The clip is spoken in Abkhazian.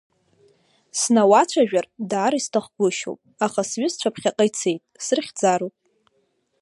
Снауацәажәар даараӡа исҭахгәышьоуп, аха сҩызцәа ԥхьаҟа ицеит, срыхьӡароуп.